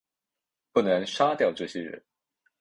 不能杀掉这些人